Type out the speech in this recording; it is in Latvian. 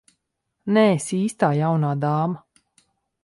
Neesi īstā jaunā dāma.